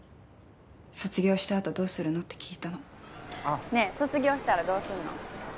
卒業したあとどうするの？って聞いたのねえ卒業したらどうすんの？